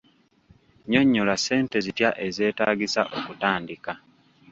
Nnyonnyola ssente zitya ezeetaagisa okutandika.